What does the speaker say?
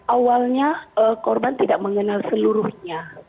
awalnya korban tidak mengenal seluruhnya